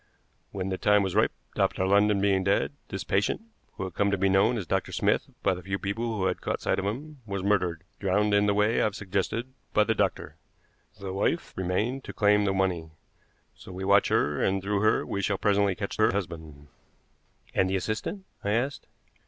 When the time was ripe, Dr. London being dead, this patient, who had come to be known as Dr. Smith by the few people who had caught sight of him, was murdered, drowned, in the way I have suggested, by the doctor. The wife remained to claim the money. So we watch her, and through her we shall presently catch her husband." "And the assistant?" I asked.